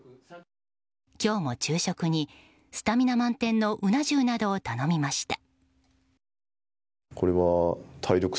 今日も昼食にスタミナ満点のうな重などを頼みました。